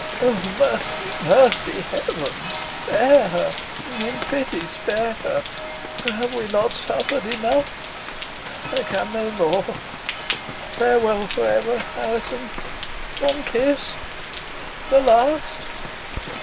Oh! mercy, mercy, heaven! Spare her in pity spare her! Have we not suffered enough? I can no more. Farewell for ever, Alizon one kiss the last."